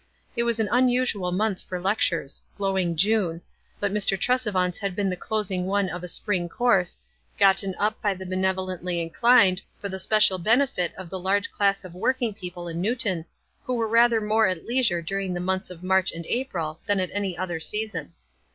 This was an un usual month for lectures — glowing June — but Mr. Tresevant's had been the closing one of a spring course, gotten up by the benevolently inclined for the special benefit of the large class N WISE AND OTHERWISE. 07 of working people in Newton, who were rather more at leisure daring the months of March and April, than at any other season.